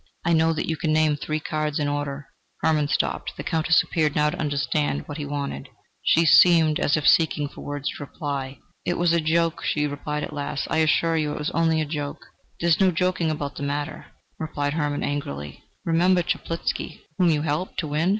I know that you can name three cards in order " Hermann stopped. The Countess appeared now to understand what he wanted; she seemed as if seeking for words to reply. "It was a joke," she replied at last: "I assure you it was only a joke." "There is no joking about the matter," replied Hermann angrily. "Remember Chaplitzky, whom you helped to win."